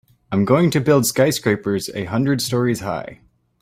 I'm going to build skyscrapers a hundred stories high.